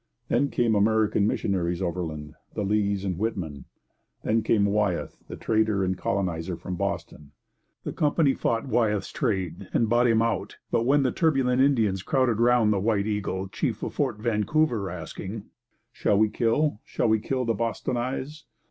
Then came American missionaries overland the Lees and Whitman. Then came Wyeth, the trader and colonizer from Boston. The company fought Wyeth's trade and bought him out; but when the turbulent Indians crowded round the 'White Eagle,' chief of Fort Vancouver, asking, 'Shall we kill shall we kill the "Bostonnais"?'